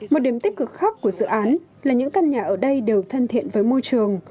một điểm tích cực khác của dự án là những căn nhà ở đây đều thân thiện với môi trường